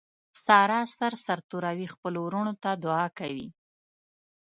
ساره سر سرتوروي خپلو ورڼو ته دعاکوي.